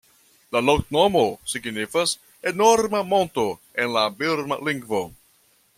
La loknomo signifas "enorma monto" en la birma lingvo.